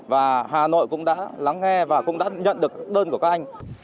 và hà nội cũng đã lắng nghe và cũng đã nhận được đơn của các anh